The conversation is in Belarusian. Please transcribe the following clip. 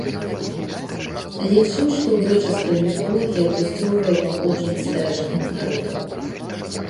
Лічыў, што грэчаская міфалогія адлюстроўвае паходжанне старажытных народаў.